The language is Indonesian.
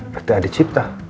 pt adi cipta